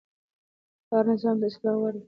هر نظام د اصلاح وړ وي